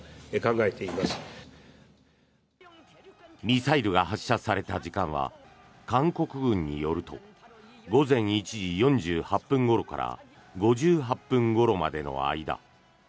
ミサイルが発射された時間は韓国軍によると午前１時４８分ごろから５８分ごろまでの間。